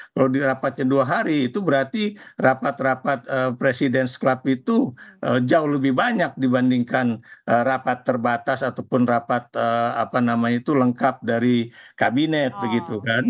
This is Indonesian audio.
kalau di rapatnya dua hari itu berarti rapat rapat presiden club itu jauh lebih banyak dibandingkan rapat terbatas ataupun rapat lengkap dari kabinet begitu kan